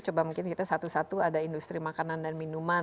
coba mungkin kita satu satu ada industri makanan dan minuman